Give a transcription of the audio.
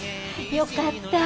よかったぁ。